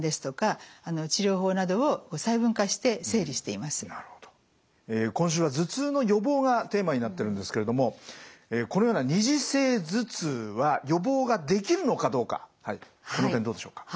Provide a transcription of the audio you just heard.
二次性頭痛だけでもとても原因が多いので今週は「頭痛の予防」がテーマになってるんですけれどもこのような二次性頭痛は予防ができるのかどうかはいこの点どうでしょうか？